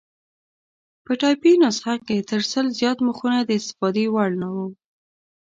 په ټایپي نسخه کې تر سل زیات مخونه د استفادې وړ نه وو.